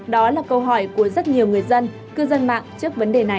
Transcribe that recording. đó là câu hỏi của rất nhiều người dân cư dân mạng trước vấn đề này